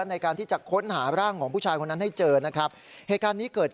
ในการที่จะค้นหาร่างของผู้ชายคนนั้นให้เจอนะครับเหตุการณ์นี้เกิด